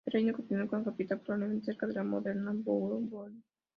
El reino continuó con capital probablemente cerca de la moderna Dubrovnik.